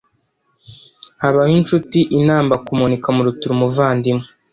“Habaho incuti inamba ku muntu ikamurutira umuvandimwe